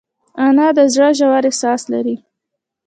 انا د زړه ژور احساس لري